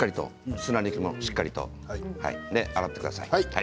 砂抜きもしっかりと洗ってください。